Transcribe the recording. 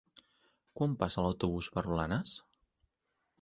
Quan passa l'autobús per Blanes?